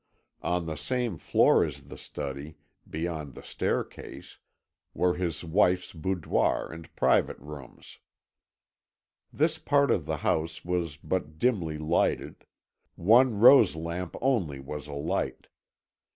On the same floor as the study, beyond the staircase, were his wife's boudoir and private rooms. This part of the house was but dimly lighted; one rose lamp only was alight.